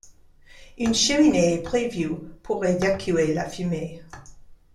Une cheminée est prévue pour évacuer la fumée.